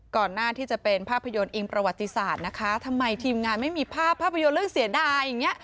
ก่อนหน้าที่จะเป็นภาพยนตร์อิงประวัติศาสตร์นะคะทำไมทีมงานไม่มีภาพภาพยนตร์เรื่องเสียดายอย่างเงี้